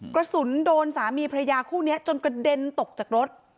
กระสุนโดนสามีพระยาคู่นี้จนกระเด็นตกจากรถ